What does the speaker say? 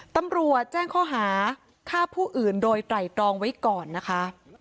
ตำรวจแจ้งข้อหาฆ่าผู้อื่นโดยไตรตรองไว้ก่อนนะคะ